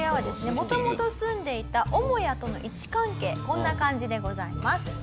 元々住んでいた母屋との位置関係こんな感じでございます。